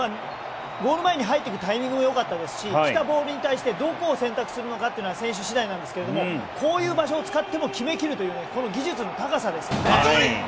ゴール前に入っていくタイミングもよかったですし来たボールに対してどこを選択するのかは選手次第なんですがこういう場所を使っても決め切るというこの技術の高さですね。